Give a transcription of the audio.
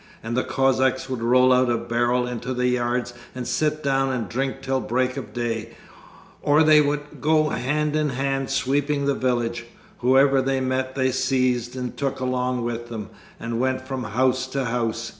And the Cossacks would roll out a barrel into the yards and sit down and drink till break of day, or they would go hand in hand sweeping the village. Whoever they met they seized and took along with them, and went from house to house.